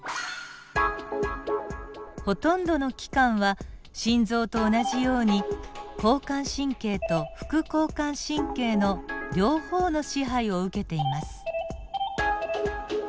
ほとんどの器官は心臓と同じように交感神経と副交感神経の両方の支配を受けています。